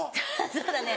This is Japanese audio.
そうだね